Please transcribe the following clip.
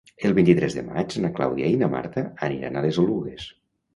El vint-i-tres de maig na Clàudia i na Marta aniran a les Oluges.